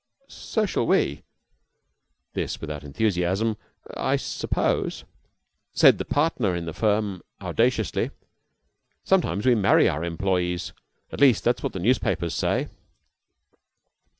"So shall we" this without enthusiasm "I suppose." Said the partner in the firm, audaciously: "Sometimes we marry our employees at least, that's what the newspapers say."